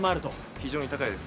非常に高いです。